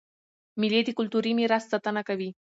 مېلې د کلتوري میراث ساتنه کوي.